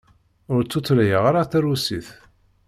Ur tutlayeɣ ara tarusit.